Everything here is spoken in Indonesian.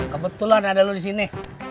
kebetulan ada lo disini